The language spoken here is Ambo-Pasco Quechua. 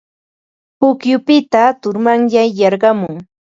Pukyupita turmanyay yarqumun.